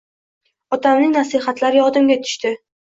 Otamning nasihatlari yodimga tushdi.